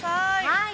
◆はい。